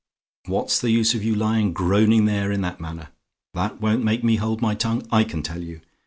"What's the use of your lying groaning there in that manner? That won't make me hold my tongue, I can tell you.